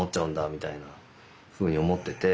みたいなふうに思ってて。